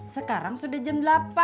sekarang sudah jam delapan